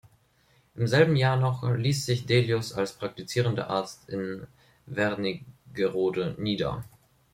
Im selben Jahr noch ließ sich Delius als praktizierender Arzt in Wernigerode nieder.